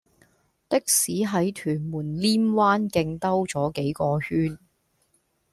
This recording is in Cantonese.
的士喺屯門稔灣徑兜左幾個圈